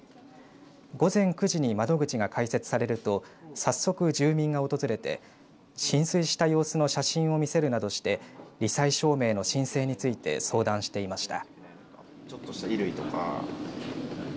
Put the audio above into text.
午前９時に窓口が開設されると早速、住民が訪れて申請した様子の写真を見せるなどしてり災証明の申請について相談していました。